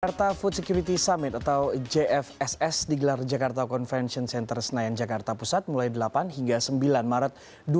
jakarta food security summit atau jfss digelar jakarta convention center senayan jakarta pusat mulai delapan hingga sembilan maret dua ribu dua puluh